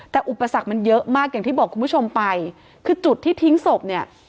แต่อุปสรรคมันเยอะมากอย่างที่บอกคุณผู้ชมไปคือจุดที่ทิ้งศพเนี่ย